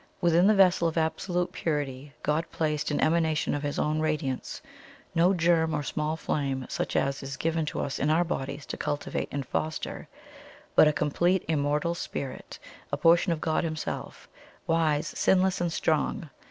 Within that vessel of absolute purity God placed an Emanation of His own radiance no germ or small flame such as is given to us in our bodies to cultivate and foster, but a complete immortal Spirit, a portion of God Himself, wise, sinless, and strong.